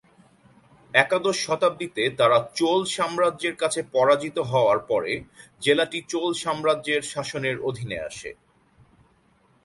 একাদশ শতাব্দীতে তারা চোল সাম্রাজ্যের কাছে পরাজিত হওয়ার পরে জেলাটি চোল সাম্রাজ্যের শাসনের অধীনে আসে।